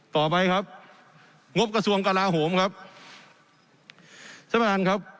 ต่อไปครับงบกระทรวงกระลาโหมครับใช่ไหมครับ